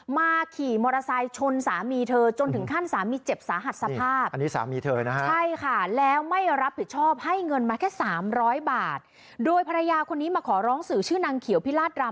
ขี่มอเตอร์ไซค์ชนสามีเธอจนถึงขั้นสามีเจ็บสาหัสสภาพ